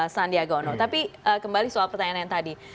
sandi agono tapi kembali soal pertanyaan yang tadi